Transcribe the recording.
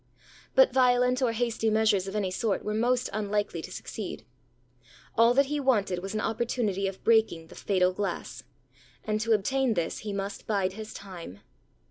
But violent or hasty measures of any sort were most unlikely to succeed. All that he wanted was an opportunity of breaking the fatal glass; and to obtain this he must bide his time.